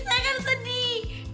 saya kan sedih